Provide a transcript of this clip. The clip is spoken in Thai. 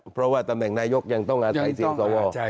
เพราะว่าตำแหน่งนายกยังต้องอาศัยเสียงสว